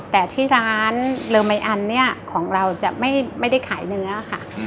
แต่ที่ร้านเลอไมอันเนี่ยของเราจะไม่ได้ขายเนื้อค่ะ